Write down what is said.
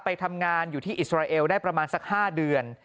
ไปทำงานอยู่ที่อิสราเอลได้ประมาณสัก๕เดือน